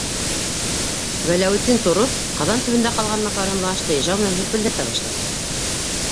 - Вәләүетдин, тороп, ҡаҙан төбөндә ҡалған макаронлы ашты ижау менән һөрпөлдәтә башланы.